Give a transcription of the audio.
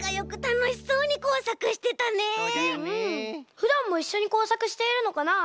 ふだんもいっしょにこうさくしているのかな？